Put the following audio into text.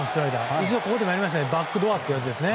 前、ここで話したバックドアというやつですね。